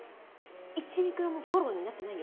１ミクロンもフォローになってないよ。